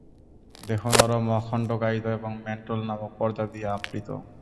দেহ নরম, অখন্ডকায়িত এবং ম্যান্টল নামক পর্দা দিয়ে আবৃত।